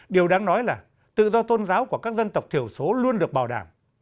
điều đáng nói là tự do tôn giáo của các dân tộc thiểu số luôn được bảo đảm